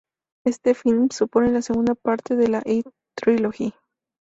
Este film supone la segunda parte de la "It Trilogy".